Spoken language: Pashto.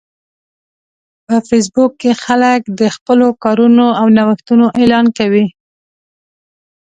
په فېسبوک کې خلک د خپلو کارونو او نوښتونو اعلان کوي